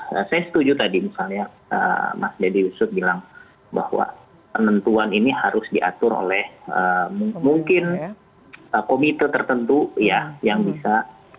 saya setuju tadi misalnya mas dedy yusuf bilang bahwa penentuan ini harus diatur oleh mungkin komite tertentu ya yang bisa